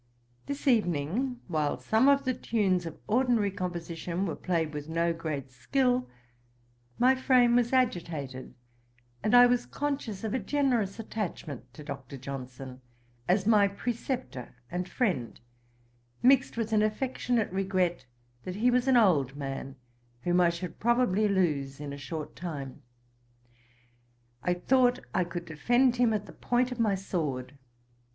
This evening, while some of the tunes of ordinary composition were played with no great skill, my frame was agitated, and I was conscious of a generous attachment to Dr. Johnson, as my preceptor and friend, mixed with an affectionate regret that he was an old man, whom I should probably lose in a short time. I thought I could defend him at the point of my sword.